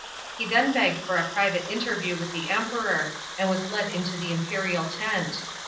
He then begged for a private interview with the Kmperor, and WHS led into the imperial tent.